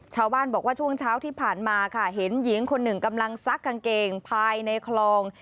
ชาวบ้านบอกว่าช่วงเช้าที่ผ่านมาค่ะเห็นหญิงคนหนึ่งกำลังซักกางเกงภายในคลอง